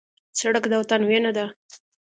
سړک د وطن وینه ده.